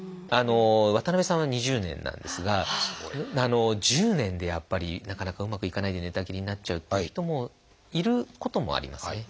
渡辺さんは２０年なんですが１０年でやっぱりなかなかうまくいかないで寝たきりになっちゃうっていう人もいることもありますね。